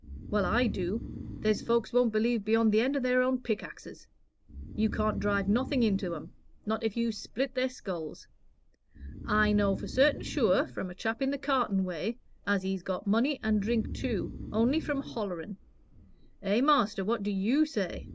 "Well, I do. There's folks won't believe beyond the end o' their own pickaxes. You can't drive nothing into 'em, not if you split their skulls. I know for certain sure, from a chap in the cartin' way, as he's got money and drink too, only for hollering. Eh, master, what do you say?"